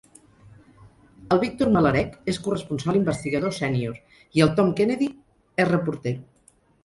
El Victor Malarek és corresponsal investigador sènior i el Tom Kennedy és reporter.